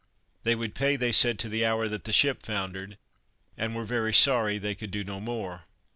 They would pay they said to the hour that the ship foundered, and were very sorry that they could do no more.